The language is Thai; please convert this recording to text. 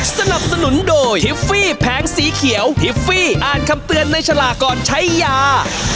สนับสนุนโดยทิฟฟี่แผงสีเขียวทิฟฟี่อ่านคำเตือนในฉลากก่อนใช้ยา